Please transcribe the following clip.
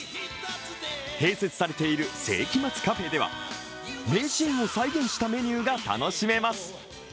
併設されている世紀末カフェでは名シーンを再現したメニューが楽しめます。